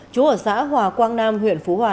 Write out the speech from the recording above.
trú ở xã hòa quang nam huyện phú hòa